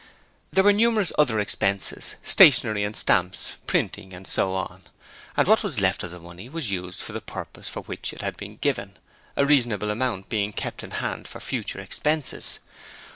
There were numerous other expenses: stationery and stamps, printing, and so on, and what was left of the money was used for the purpose for which it had been given a reasonable amount being kept in hand for future expenses.